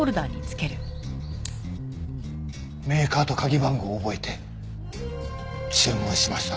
メーカーと鍵番号を覚えて注文しました。